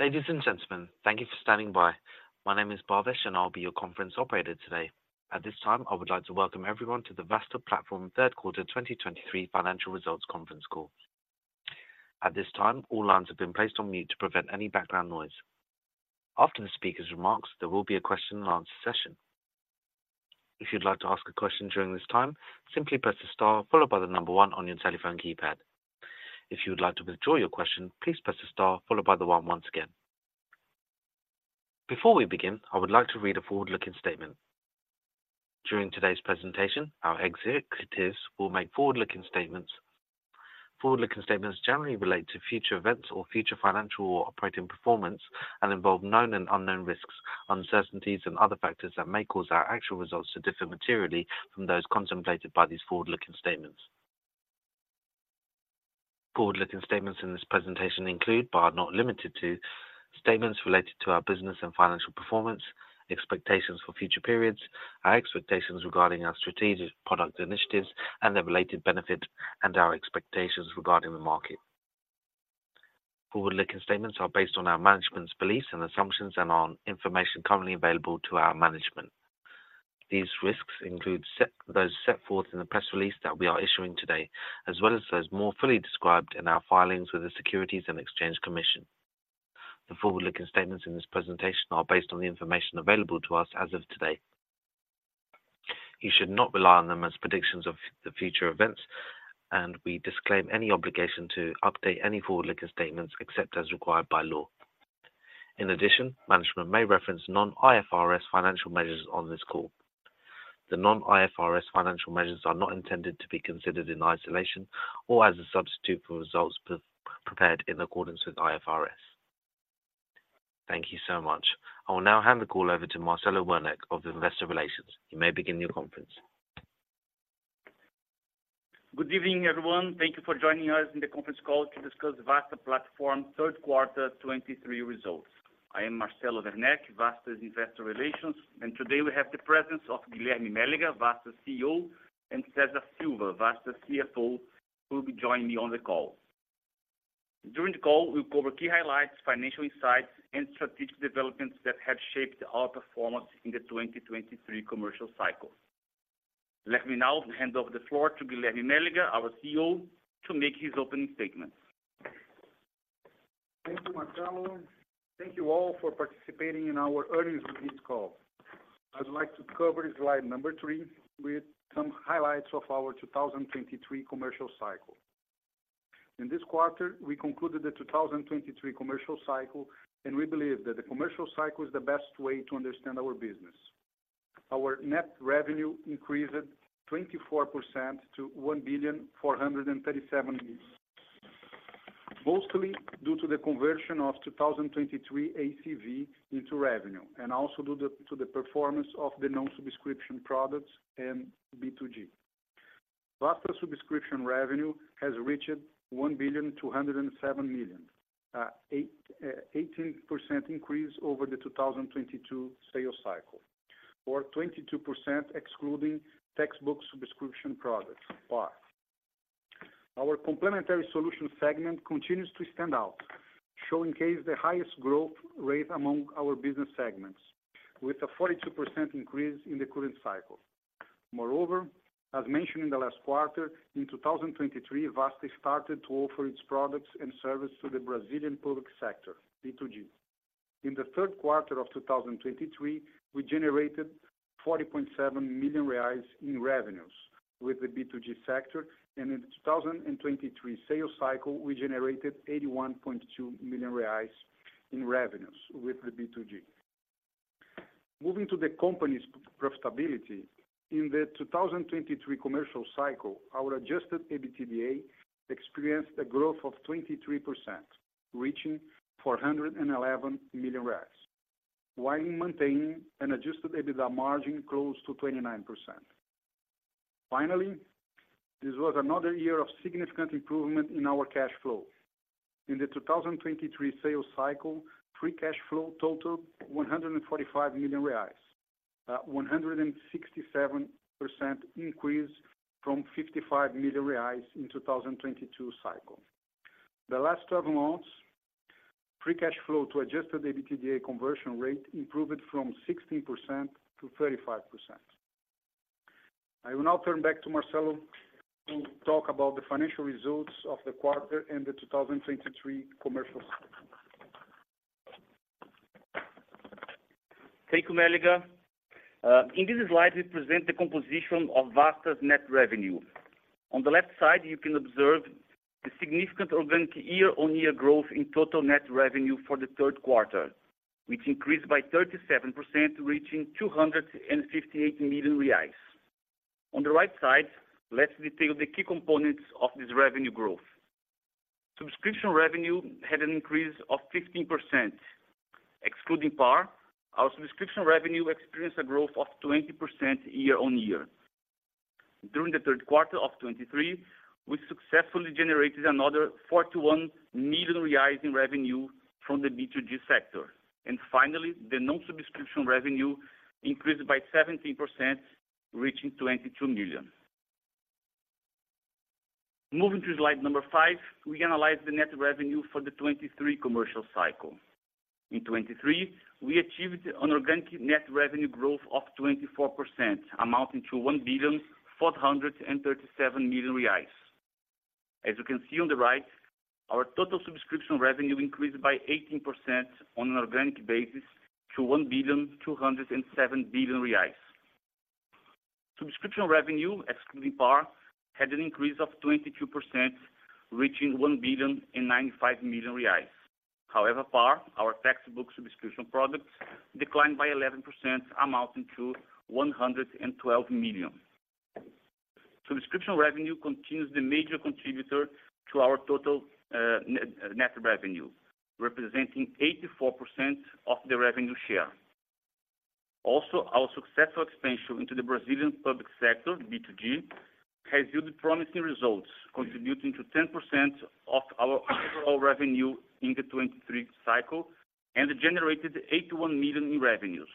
Ladies and gentlemen, thank you for standing by. My name is Bhavesh, and I'll be your conference operator today. At this time, I would like to welcome everyone to the Vasta Platform Third Quarter 2023 financial results conference call. At this time, all lines have been placed on mute to prevent any background noise. After the speaker's remarks, there will be a question and answer session. If you'd like to ask a question during this time, simply press the star followed by the number one on your telephone keypad. If you would like to withdraw your question, please press the star followed by the one once again. Before we begin, I would like to read a forward-looking statement. During today's presentation, our executives will make forward-looking statements. Forward-looking statements generally relate to future events or future financial or operating performance and involve known and unknown risks, uncertainties, and other factors that may cause our actual results to differ materially from those contemplated by these forward-looking statements. Forward-looking statements in this presentation include, but are not limited to, statements related to our business and financial performance, expectations for future periods, our expectations regarding our strategic product initiatives and their related benefits, and our expectations regarding the market. Forward-looking statements are based on our management's beliefs and assumptions and on information currently available to our management. These risks include those set forth in the press release that we are issuing today, as well as those more fully described in our filings with the Securities and Exchange Commission. The forward-looking statements in this presentation are based on the information available to us as of today. You should not rely on them as predictions of the future events, and we disclaim any obligation to update any forward-looking statements except as required by law. In addition, management may reference non-IFRS financial measures on this call. The non-IFRS financial measures are not intended to be considered in isolation or as a substitute for results pre-prepared in accordance with IFRS. Thank you so much. I will now hand the call over to Marcelo Werneck of Investor Relations. You may begin your conference. Good evening, everyone. Thank you for joining us in the conference call to discuss Vasta Platform third quarter 2023 results. I am Marcelo Werneck, Vasta's Investor Relations, and today we have the presence of Guilherme Mélega, Vasta's CEO, and Cesar Silva, Vasta's CFO, who will be joining me on the call. During the call, we'll cover key highlights, financial insights, and strategic developments that have shaped our performance in the 2023 commercial cycle. Let me now hand over the floor to Guilherme Mélega, our CEO, to make his opening statements. Thank you, Marcelo. Thank you all for participating in our earnings release call. I'd like to cover slide 3 with some highlights of our 2023 commercial cycle. In this quarter, we concluded the 2023 commercial cycle, and we believe that the commercial cycle is the best way to understand our business. Our net revenue increased 24% to 1,437 million, mostly due to the conversion of 2023 ACV into revenue, and also due to the performance of the non-subscription products and B2G. Vasta subscription revenue has reached 1,207 million,18% increase over the 2022 sales cycle, or 22%, excluding textbook subscription products, PAR. Our complementary solution segment continues to stand out, showcasing the highest growth rate among our business segments, with a 42% increase in the current cycle. Moreover, as mentioned in the last quarter, in 2023, Vasta started to offer its products and services to the Brazilian public sector, B2G. In the third quarter of 2023, we generated 40.7 million reais in revenues with the B2G sector, and in 2023 sales cycle, we generated 81.2 million reais in revenues with the B2G. Moving to the company's profitability, in the 2023 commercial cycle, our adjusted EBITDA experienced a growth of 23%, reaching 411 million reais, while maintaining an adjusted EBITDA margin close to 29%. Finally, this was another year of significant improvement in our cash flow. In the 2023 sales cycle, free cash flow totaled 145 million reais, a 167% increase from 55 million reais in the 2022 cycle. The last twelve months, free cash flow to adjusted EBITDA conversion rate improved from 16%-35%. I will now turn back to Marcelo to talk about the financial results of the quarter and the 2023 commercial cycle. Thank you, Mélega. In this slide, we present the composition of Vasta's net revenue. On the left side, you can observe the significant organic year-on-year growth in total net revenue for the third quarter, which increased by 37%, reaching 258 million reais. On the right side, let's detail the key components of this revenue growth. Subscription revenue had an increase of 15%, excluding PAR. Our subscription revenue experienced a growth of 20% year-on-year. During the third quarter of 2023, we successfully generated another 41 million reais in revenue from the B2G sector. And finally, the non-subscription revenue increased by 17%, reaching 22 million. Moving to slide number five, we analyze the net revenue for the 2023 commercial cycle. In 2023, we achieved an organic net revenue growth of 24%, amounting to 1,437 million reais. As you can see on the right, our total subscription revenue increased by 18% on an organic basis to 1.207 billion. Subscription revenue, excluding PAR, had an increase of 22%, reaching 1.095 billion. However, PAR, our textbook subscription product, declined by 11%, amounting to 112 million. Subscription revenue continues the major contributor to our total, net revenue, representing 84% of the revenue share. Also, our successful expansion into the Brazilian public sector, B2G, has yielded promising results, contributing to 10% of our overall revenue in the 2023 cycle and generated 81 million in revenues.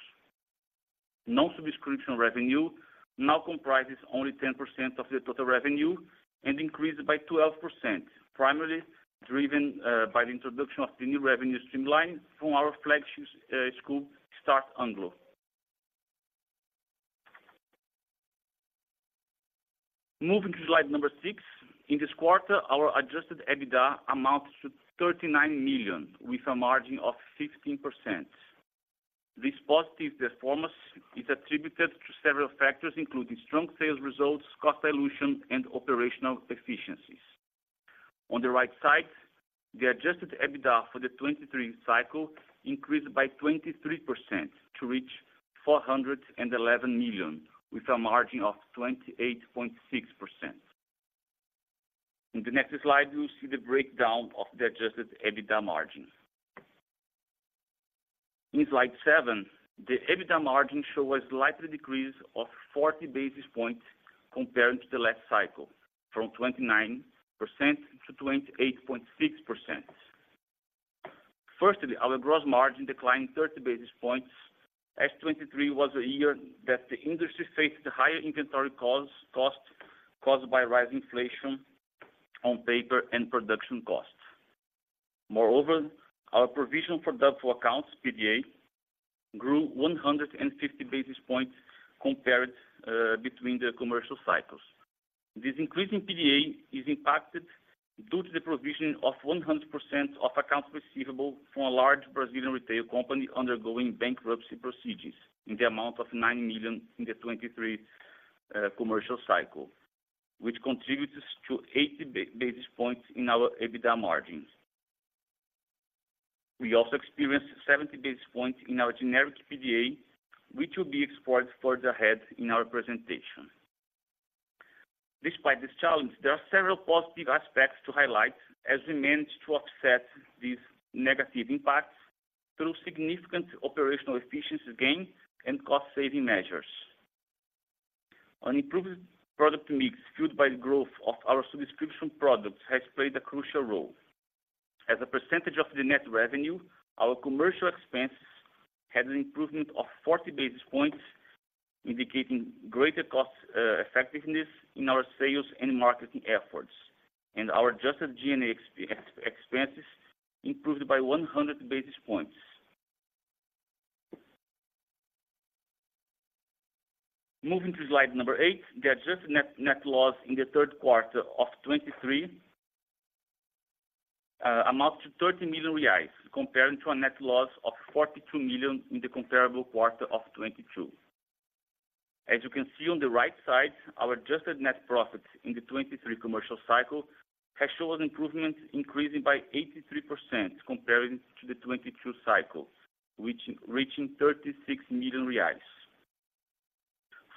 Non-subscription revenue now comprises only 10% of the total revenue and increased by 12%, primarily driven by the introduction of the new revenue streamline from our flagship school, Start Anglo. Moving to slide number six. In this quarter, our adjusted EBITDA amounts to $39 million, with a margin of 15%. This positive performance is attributed to several factors, including strong sales results, cost dilution, and operational efficiencies. On the right side, the adjusted EBITDA for the 23 cycle increased by 23% to reach $411 million, with a margin of 28.6%. In the next slide, you'll see the breakdown of the adjusted EBITDA margins. In slide 7, the EBITDA margin show a slight decrease of 40 basis points compared to the last cycle, from 29% to 28.6%. Firstly, our gross margin declined 30 basis points, as 2023 was a year that the industry faced higher inventory costs, costs caused by rising inflation on paper and production costs. Moreover, opr provision for doubtful accounts, PDA, grew 150 basis points compared between the commercial cycles. This increase in PDA is impacted due to the provision of 100% of accounts receivable from a large Brazilian retail company undergoing bankruptcy proceedings in the amount of 9 million in the 2023 commercial cycle, which contributes to 80 basis points in our EBITDA margins. We also experienced 70 basis points in our generic PDA, which will be explored further ahead in our presentation. Despite this challenge, there are several positive aspects to highlight as we managed to offset these negative impacts through significant operational efficiency gain and cost-saving measures. An improved product mix, fueled by the growth of our subscription products, has played a crucial role. As a percentage of the net revenue, our commercial expenses had an improvement of 40 basis points, indicating greater cost effectiveness in our sales and marketing efforts, and our adjusted G&A expenses improved by 100 basis points. Moving to slide number eight, the adjusted net loss in the third quarter of 2023 amounts to 30 million reais, comparing to a net loss of 42 million in the comparable quarter of 2022. As you can see on the right side, our adjusted net profits in the 2023 commercial cycle has shown an improvement, increasing by 83% compared to the 2022 cycle, which reaching 36 million reais.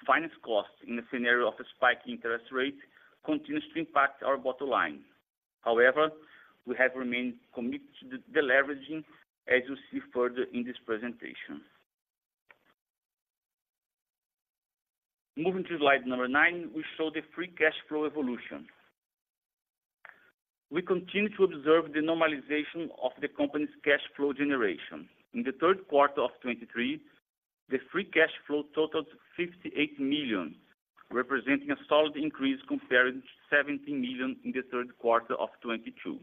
Finance costs in a scenario of a spiking interest rate continues to impact our bottom line. However, we have remained committed to the deleveraging, as you'll see further in this presentation. Moving to slide number nine, we show the free cash flow evolution. We continue to observe the normalization of the company's cash flow generation. In the third quarter of 2023, the free cash flow totaled 58 million, representing a solid increase compared to 17 million in the third quarter of 2022.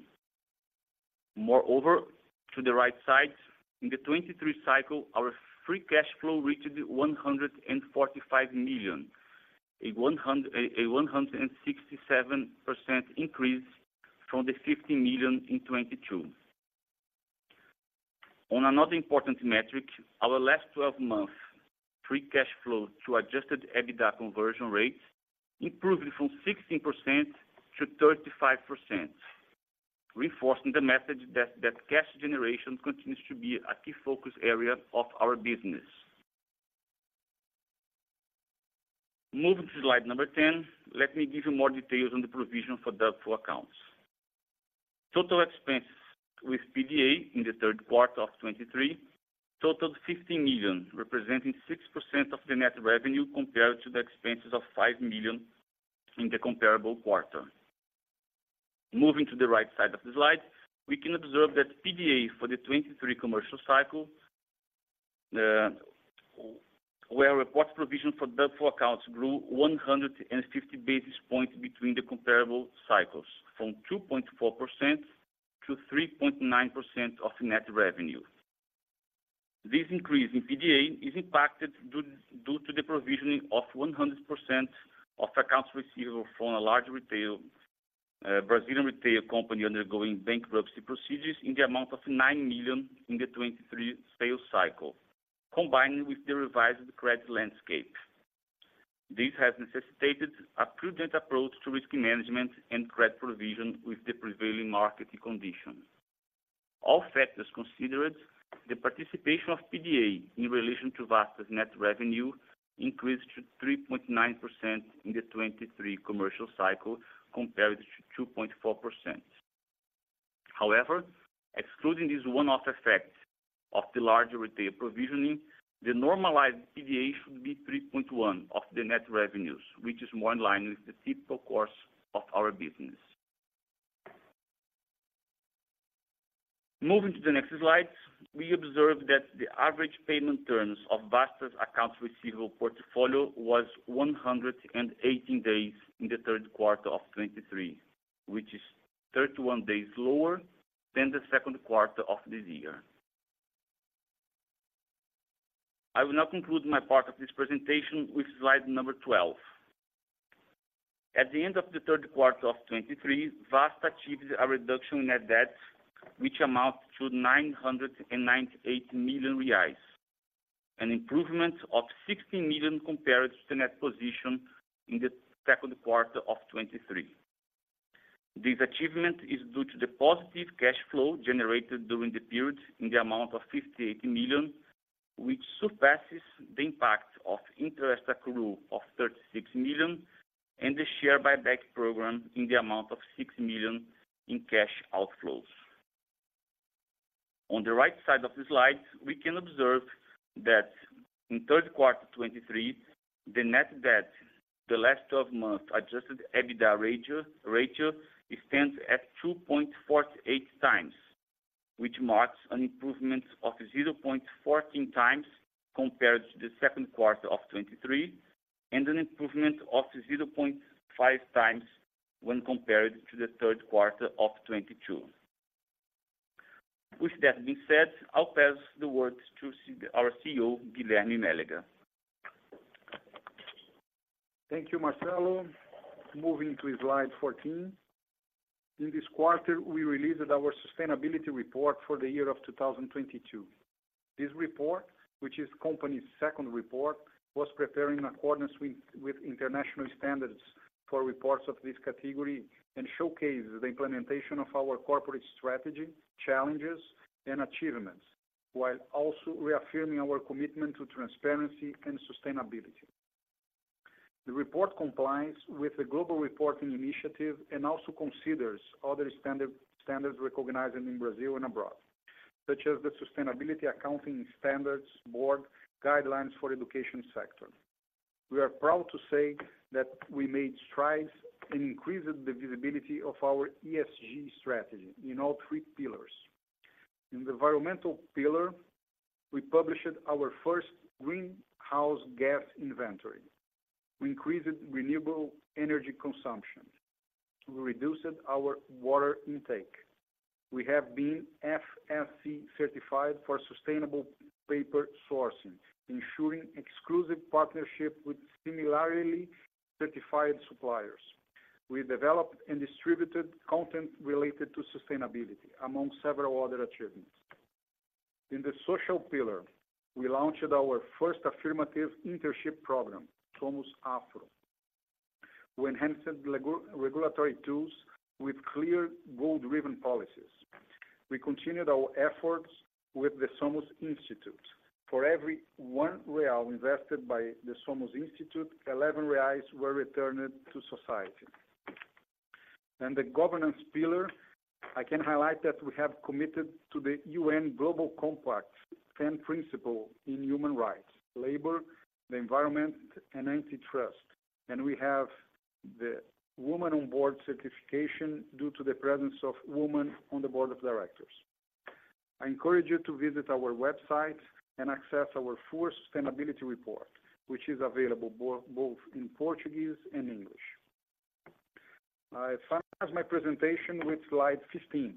Moreover, to the right side, in the 2023 cycle, our free cash flow reached 145 million, a one hundred and 67% increase from the 50 million in 2022. On another important metric, our last 12-month free cash flow to adjusted EBITDA conversion rate improved from 16% to 35%, reinforcing the message that, that cash generation continues to be a key focus area of our business. Moving to slide number 10, let me give you more details on the provision for doubtful accounts. Total expenses with PDA in the third quarter of 2023 totaled 50 million, representing 6% of the net revenue, compared to the expenses of 5 million in the comparable quarter. Moving to the right side of the slide, we can observe that PDA for the 2023 commercial cycle, where reported provision for doubtful accounts grew 150 basis points between the comparable cycles, from 2.4% to 3.9% of net revenue. This increase in PDA is impacted due to the provisioning of 100% of accounts receivable from a large Brazilian retail company undergoing bankruptcy procedures in the amount of 9 million in the 2023 sales cycle, combining with the revised credit landscape. This has necessitated a prudent approach to risk management and credit provision with the prevailing market conditions. All factors considered, the participation of PDA in relation to Vasta's net revenue increased to 3.9% in the 2023 commercial cycle, compared to 2.4%. However, excluding this one-off effect of the larger retail provisioning, the normalized PDA should be 3.1% of the net revenues, which is more in line with the typical course of our business. Moving to the next slide, we observe that the average payment terms of Vasta's accounts receivable portfolio was 118 days in the third quarter of 2023, which is 31 days lower than the second quarter of this year. I will now conclude my part of this presentation with slide number 12. At the end of the third quarter of 2023, Vasta achieved a reduction in net debt, which amounts to 998 million reais, an improvement of 60 million compared to the net position in the second quarter of 2023. This achievement is due to the positive cash flow generated during the period in the amount of 58 million, which surpasses the impact of interest accrue of 36 million and the share buyback program in the amount of 6 million in cash outflows. On the right side of the slide, we can observe that in third quarter 2023, the net debt, the last twelve months adjusted EBITDA ratio, ratio extends at 2.48x, which marks an improvement of 0.14x compared to the second quarter of 2023, and an improvement of 0.5x when compared to the third quarter of 2022. With that being said, I'll pass the word to our CEO, Guilherme Mélega. Thank you, Marcelo. Moving to slide 14. In this quarter, we released our sustainability report for the year of 2022. This report, which is company's second report, was prepared in accordance with international standards for reports of this category and showcases the implementation of our corporate strategy, challenges, and achievements, while also reaffirming our commitment to transparency and sustainability. The report complies with the Global Reporting Initiative and also considers other standards recognized in Brazil and abroad, such as the Sustainability Accounting Standards Board guidelines for education sector. We are proud to say that we made strides in increasing the visibility of our ESG strategy in all three pillars. In the environmental pillar, we published our first greenhouse gas inventory. We increased renewable energy consumption. We reduced our water intake. We have been FSC certified for sustainable paper sourcing, ensuring exclusive partnership with similarly certified suppliers. We developed and distributed content related to sustainability, among several other achievements. In the social pillar, we launched our first affirmative internship program, Somos Afro. We enhanced regulatory tools with clear goal-driven policies. We continued our efforts with the Somos Institute. For every 1 real invested by the Somos Institute, 11 reais were returned to society. In the governance pillar, I can highlight that we have committed to the UN Global Compact ten principle in human rights, labor, the environment, and antitrust, and we have the Women on Board certification due to the presence of women on the board of directors. I encourage you to visit our website and access our full sustainability report, which is available both in Portuguese and English. I finalize my presentation with slide 15.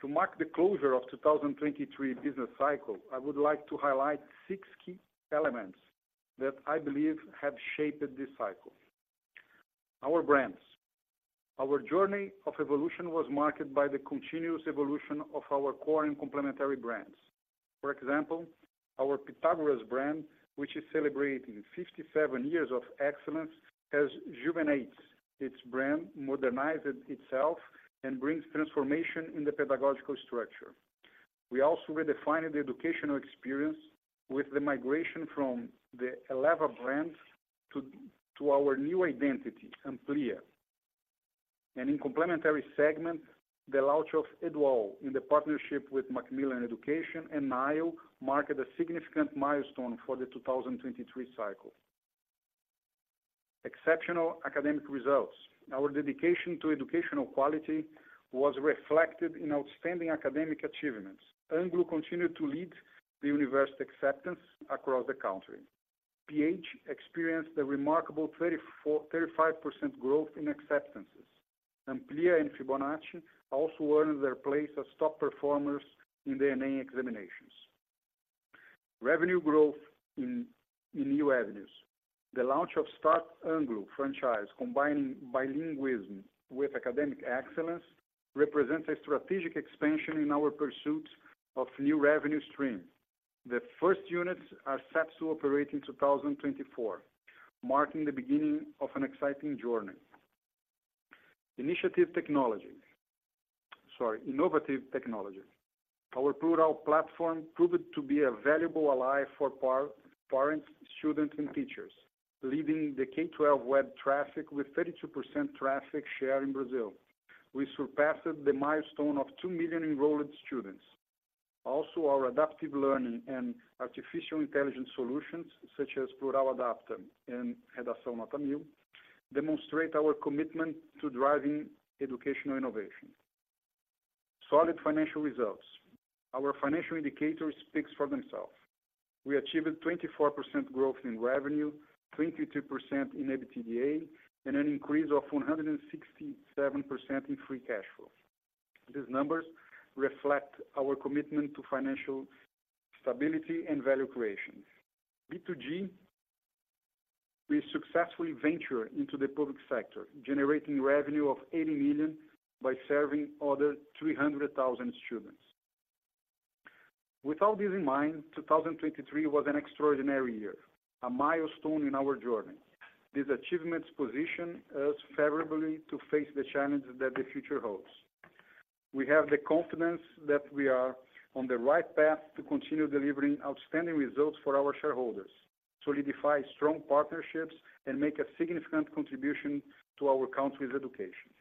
To mark the closure of 2023 business cycle, I would like to highlight six key elements that I believe have shaped this cycle. Our brands. Our journey of evolution was marked by the continuous evolution of our core and complementary brands. For example, our Pitágoras brand, which is celebrating 57 years of excellence, has rejuvenated its brand, modernizes itself, and brings transformation in the pedagogical structure. We also redefined the educational experience with the migration from the Eleva brand to, to our new identity, Amplia. In complementary segments, the launch of Eduall, in the partnership with Macmillan Education and Nile, marked a significant milestone for the 2023 cycle. Exceptional academic results. Our dedication to educational quality was reflected in outstanding academic achievements. Anglo continued to lead the university acceptance across the country. pH experienced a remarkable 35% growth in acceptances. Amplia and Fibonacci also earned their place as top performers in the ENEM examinations. Revenue growth in new avenues. The launch of Start Anglo franchise, combining bilingualism with academic excellence, represents a strategic expansion in our pursuit of new revenue streams. The first units are set to operate in 2024, marking the beginning of an exciting journey. Innovative technology. Our Plural platform proved to be a valuable ally for foreign students and teachers, leading the K-12 web traffic with 32% traffic share in Brazil. We surpassed the milestone of 2 million enrolled students. Also, our adaptive learning and artificial intelligence solutions, such as Plural Adapt and Redação Nota Mil, demonstrate our commitment to driving educational innovation. Solid financial results. Our financial indicators speaks for themselves. We achieved 24% growth in revenue, 22% in EBITDA, and an increase of 167% in free cash flow. These numbers reflect our commitment to financial stability and value creation. B2G, we successfully ventured into the public sector, generating revenue of 80 million by serving other 300,000 students. With all this in mind, 2023 was an extraordinary year, a milestone in our journey. These achievements position us favorably to face the challenges that the future holds. We have the confidence that we are on the right path to continue delivering outstanding results for our shareholders, solidify strong partnerships, and make a significant contribution to our country's education.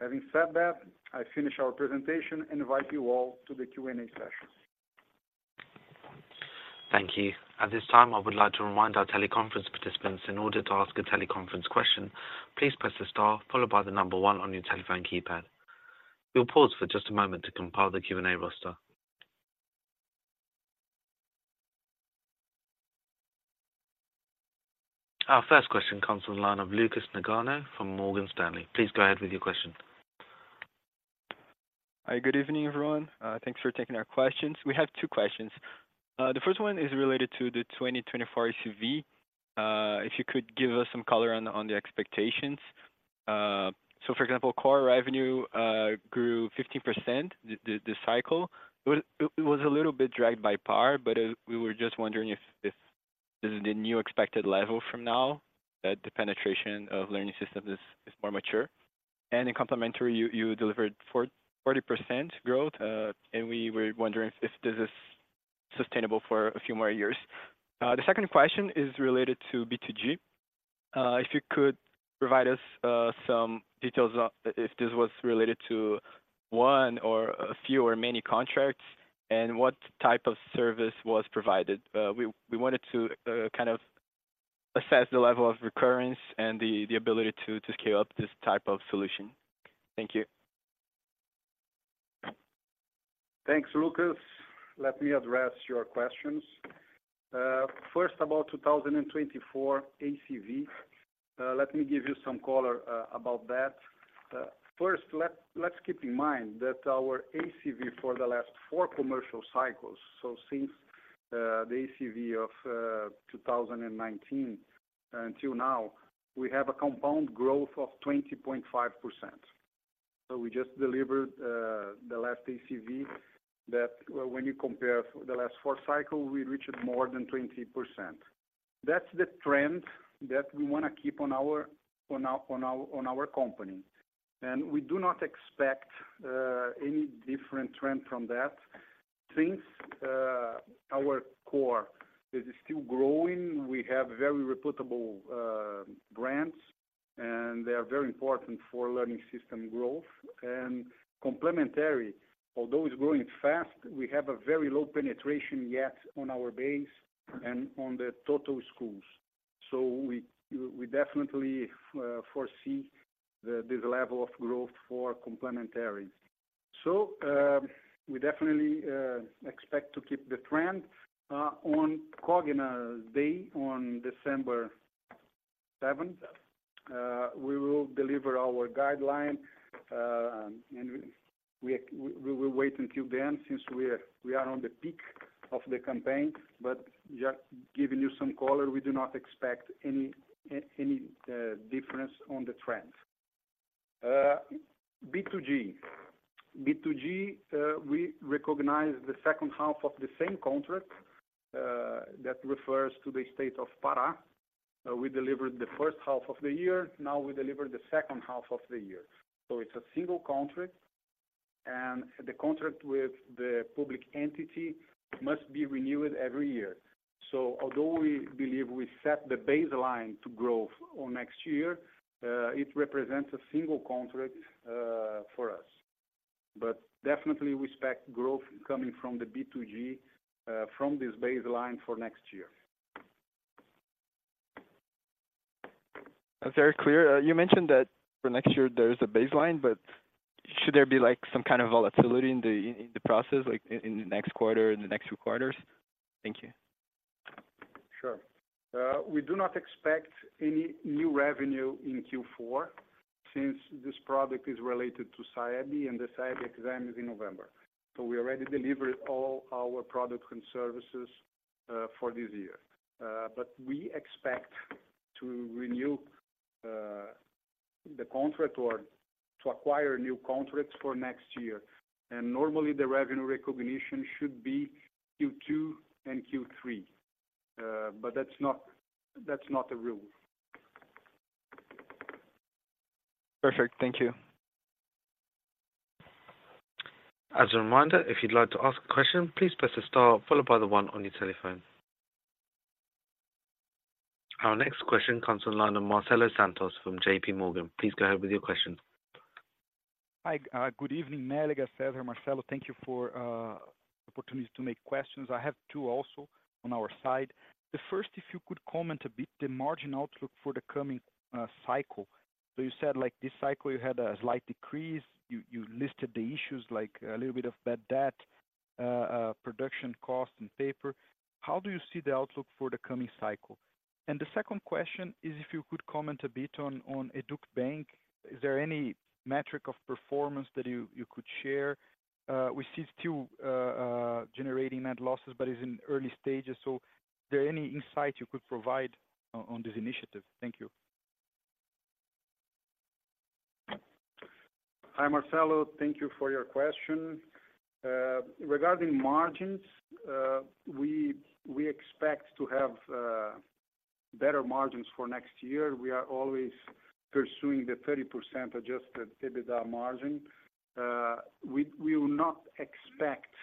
Having said that, I finish our presentation and invite you all to the Q&A session. Thank you. At this time, I would like to remind our teleconference participants, in order to ask a teleconference question, please press the star followed by the number one on your telephone keypad. We'll pause for just a moment to compile the Q&A roster. Our first question comes from the line of Lucas Nagano from Morgan Stanley. Please go ahead with your question. Hi, good evening, everyone. Thanks for taking our questions. We have two questions. The first one is related to the 2024 ACV. If you could give us some color on the expectations. So for example, core revenue grew 15% this cycle. It was a little bit dragged by PAR, but we were just wondering if this is the new expected level from now that the penetration of learning system is more mature? And in complementary, you delivered 40% growth, and we were wondering if this is sustainable for a few more years. The second question is related to B2G. If you could provide us some details on if this was related to one or a few or many contracts, and what type of service was provided. We wanted to kind of assess the level of recurrence and the ability to scale up this type of solution. Thank you. Thanks, Lucas. Let me address your questions. First, about 2024 ACV. Let me give you some color about that. First, let's keep in mind that our ACV for the last four commercial cycles, so since the ACV of 2019 until now, we have a compound growth of 20.5%. So we just delivered the last ACV that when you compare the last four cycle, we reached more than 20%. That's the trend that we want to keep on our company, and we do not expect any different trend from that. Since our core is still growing, we have very reputable brands, and they are very important for learning system growth. And complementary, although it's growing fast, we have a very low penetration yet on our base and on the total schools. So we definitely foresee this level of growth for complementary. So we definitely expect to keep the trend. On Cogna Day, on December seventh, we will deliver our guideline, and we will wait until then, since we are on the peak of the campaign. But just giving you some color, we do not expect any difference on the trend. B2G, we recognize the second half of the same contract that refers to the state of Pará. We delivered the first half of the year, now we deliver the second half of the year. So it's a single contract, and the contract with the public entity must be renewed every year. So although we believe we set the baseline to growth on next year, it represents a single contract for us, but definitely we expect growth coming from the B2G from this baseline for next year. That's very clear. You mentioned that for next year there is a baseline, but should there be, like, some kind of volatility in the process, like, in the next quarter, in the next two quarters? Thank you. Sure. We do not expect any new revenue in Q4 since this product is related to SAEB, and the SAEB exam is in November. So we already delivered all our product and services for this year. But we expect to renew the contract or to acquire new contracts for next year. And normally, the revenue recognition should be Q2 and Q3. But that's not, that's not a rule. Perfect. Thank you. As a reminder, if you'd like to ask a question, please press the star followed by the one on your telephone. Our next question comes from the line of Marcelo Santos from JPMorgan. Please go ahead with your question. Hi, good evening, Mélega, Cesar, Marcelo. Thank you for opportunity to make questions. I have two also on our side. The first, if you could comment a bit, the margin outlook for the coming cycle. So you said, like, this cycle, you had a slight decrease. You listed the issues like a little bit of bad debt, production cost and paper. How do you see the outlook for the coming cycle? And the second question is, if you could comment a bit on Educbank. Is there any metric of performance that you could share? We see still generating net losses, but is in early stages. So is there any insight you could provide on this initiative? Thank you. Hi, Marcelo. Thank you for your question. Regarding margins, we expect to have better margins for next year. We are always pursuing the 30% adjusted EBITDA margin. We will not expect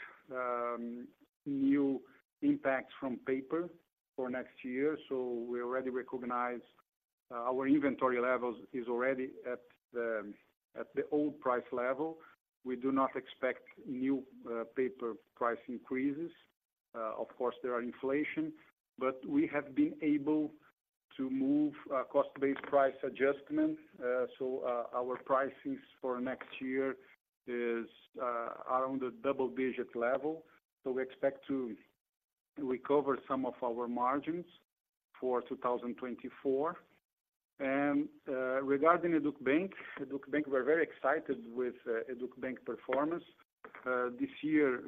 new impacts from paper for next year, so we already recognize our inventory levels is already at the old price level. We do not expect new paper price increases. Of course, there are inflation, but we have been able to move a cost-based price adjustment. So, our pricings for next year is around the double-digit level. So we expect to recover some of our margins for 2024. And, regarding Educbank, Educbank, we're very excited with Educbank performance. This year,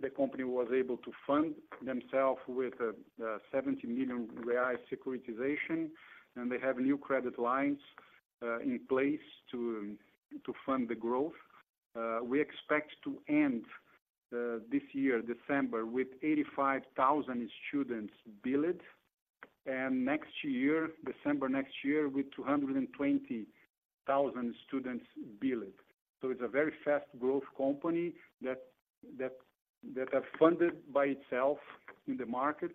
the company was able to fund themselves with 70 million reais securitization, and they have new credit lines in place to fund the growth. We expect to end this year, December, with 85,000 students billed, and next year, December next year, with 220,000 students billed. So it's a very fast growth company that have funded by itself in the market,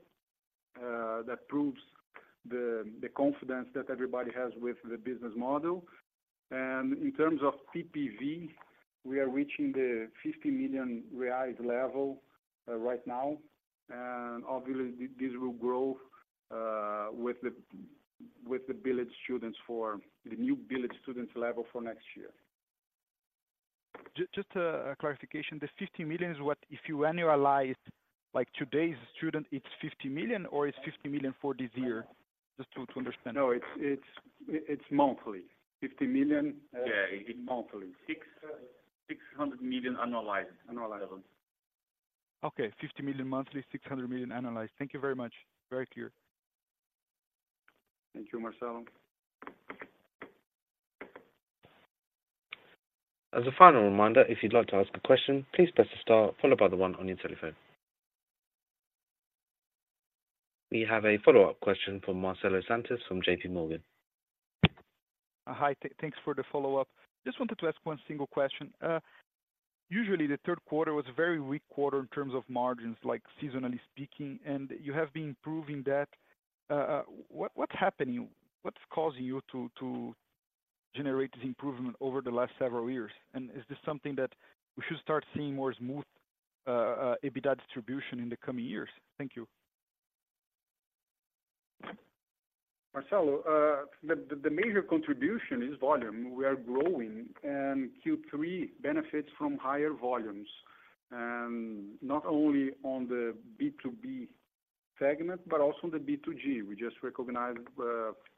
that proves the confidence that everybody has with the business model. And in terms of PPV, we are reaching the 50 million reais level right now, and obviously, this will grow with the billed students for the new billed students level for next year. Just a clarification. The 50 million is what if you annualize, like, today's student, it's 50 million, or it's 50 million for this year? Just to understand. No, it's monthly. 50 million, yeah, it's monthly. 600 million annualized. Okay, 50 million monthly, 600 million annualized. Thank you very much. Very clear. Thank you, Marcelo. As a final reminder, if you'd like to ask a question, please press the star followed by the one on your telephone. We have a follow-up question from Marcelo Santos from JPMorgan. Hi, thanks for the follow-up. Just wanted to ask one single question. Usually, the third quarter was a very weak quarter in terms of margins, like seasonally speaking, and you have been proving that. What's happening? What's causing you to generate this improvement over the last several years? And is this something that we should start seeing more smooth EBITDA distribution in the coming years? Thank you. Marcelo, the major contribution is volume. We are growing, and Q3 benefits from higher volumes, not only on the B2B segment, but also on the B2G. We just recognized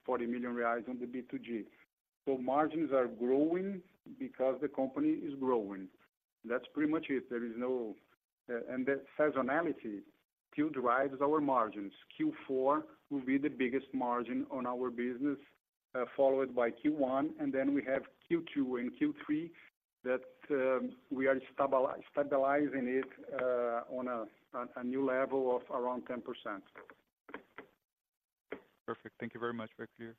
40 million reais on the B2G. So margins are growing because the company is growing. That's pretty much it. There is no... And the seasonality, Q drives our margins. Q4 will be the biggest margin on our business, followed by Q1, and then we have Q2 and Q3, that we are stabilizing it on a new level of around 10%. Perfect. Thank you very much. Very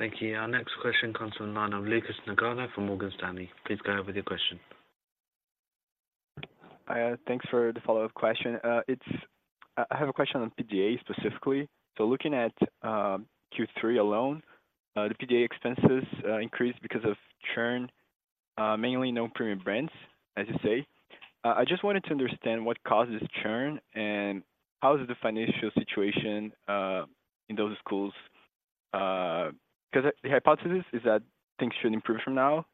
clear. Thank you. Our next question comes from the line of Lucas Nagano from Morgan Stanley. Please go ahead with your question. Thanks for the follow-up question. I have a question on PDA specifically. So looking at Q3 alone, the PDA expenses increased because of churn, mainly no premium brands, as you say. I just wanted to understand what causes churn, and how is the financial situation in those schools? 'Cause the hypothesis is that things should improve from now,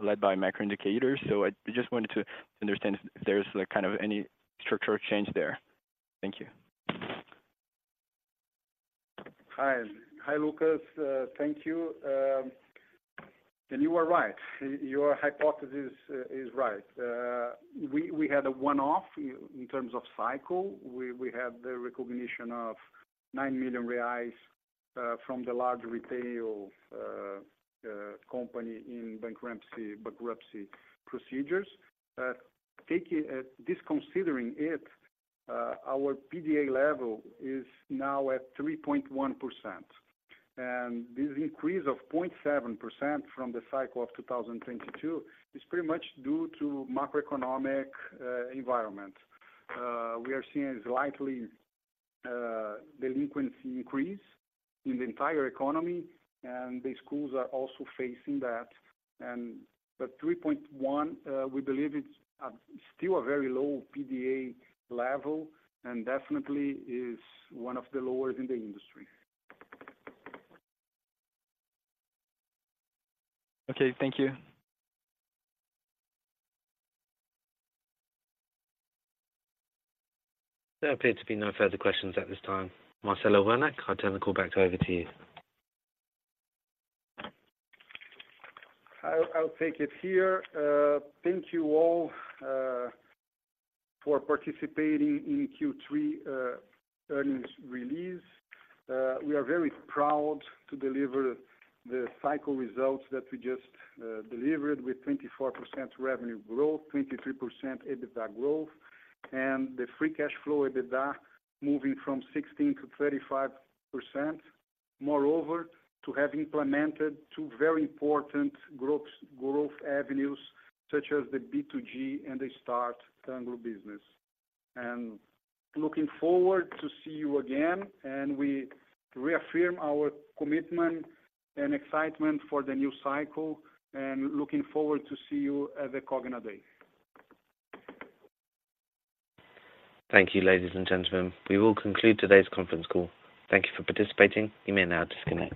led by macro indicators. So I just wanted to understand if there's, like, kind of any structural change there. Thank you. Hi. Hi, Lucas. Thank you. And you are right. Your hypothesis is right. We had a one-off in terms of Cycle. We had the recognition of 9 million reais from the large retail company in bankruptcy procedures. Taking it disconsidering it, our PDA level is now at 3.1%, and this increase of 0.7% from the cycle of 2022 is pretty much due to macroeconomic environment. We are seeing a slightly delinquency increase in the entire economy, and the schools are also facing that. But 3.1, we believe it's still a very low PDA level and definitely is one of the lower in the industry. Okay, thank you. There appear to be no further questions at this time. Marcelo Werneck, I'll turn the call back over to you. I'll take it here. Thank you all for participating in Q3 earnings release. We are very proud to deliver the cycle results that we just delivered with 24% revenue growth, 23% EBITDA growth, and the free cash flow EBITDA moving from 16%-35%. Moreover, to have implemented two very important growth avenues such as the B2G and the Start Anglo business. Looking forward to see you again, and we reaffirm our commitment and excitement for the new cycle, and looking forward to see you at the Cogna Day. Thank you, ladies and gentlemen. We will conclude today's conference call. Thank you for participating. You may now disconnect.